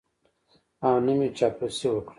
او نه مې چاپلوسي وکړه.